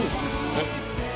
えっ。